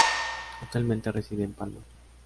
Actualmente reside en Palma.